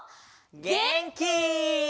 げんき！